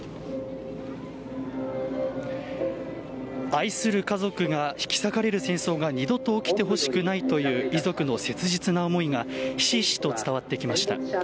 愛する家族が引き裂かれる戦争が二度と起きてほしくないという遺族の切実な思いがひしひしと伝わってきました。